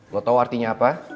lo tau artinya apa